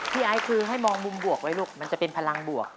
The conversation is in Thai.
ไอซ์คือให้มองมุมบวกไว้ลูกมันจะเป็นพลังบวก